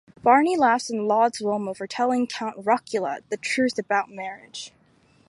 Barney laughs and lauds Wilma for telling Count Rockula "the truth about marriage".